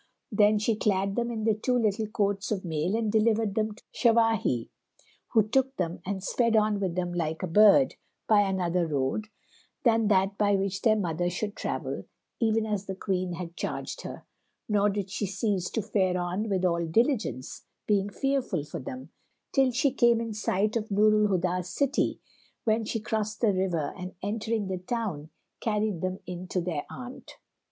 Then she clad them in the two little coats of mail and delivered them to Shawahi, who took them and sped on with them like a bird, by another road than that by which their mother should travel, even as the Queen had charged her; nor did she cease to fare on with all diligence, being fearful for them, till she came in sight of Nur al Huda's city, when she crossed the river and entering the town, carried them in to their aunt.